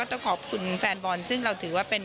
ต้องขอบคุณแฟนบอลซึ่งเราถือว่าเป็น